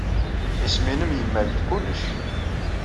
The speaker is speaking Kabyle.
Isem-nnem yemmal-d kullec.